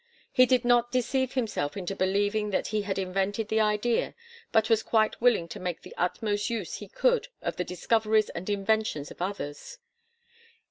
He did not deceive himself into believing that he had invented the idea but was quite willing to make the utmost use he could of the discoveries and inventions of others.